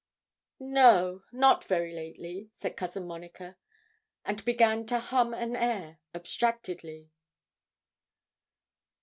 'No, not very lately,' said Cousin Monica, and began to hum an air abstractedly.